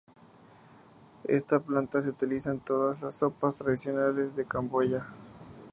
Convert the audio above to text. Esta planta se utiliza en todas las sopas tradicionales de Camboya.